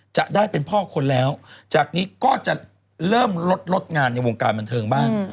จะได้เป็นพ่อคนแล้วจากนี้ก็จะเริ่มลดลดงานในวงการบันเทิงบ้าง